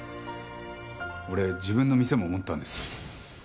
俺自分の店も持ったんです。